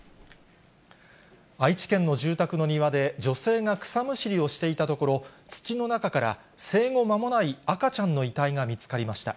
愛知県の住宅の庭で、女性が草むしりをしていたところ、土の中から生後間もない赤ちゃんの遺体が見つかりました。